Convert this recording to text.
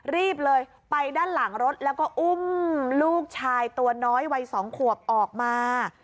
รีบเลยไปด้านหลังรถแล้วก็อุ้มลูกชายตัวน้อยวัย๒ขวบออกมา